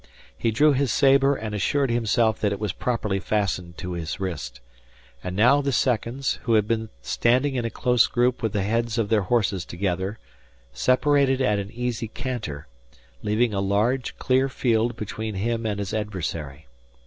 He drew his sabre and assured himself that it was properly fastened to his wrist. And now the seconds, who had been standing in a close group with the heads of their horses together, separated at an easy canter, leaving a large, clear field between him and his adversary.